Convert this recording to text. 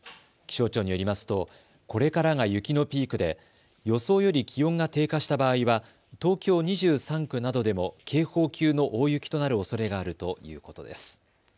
気象庁によりますとこれからが雪のピークで予想より気温が低下した場合は東京２３区などでも警報級の大雪となるおそれがあるということです。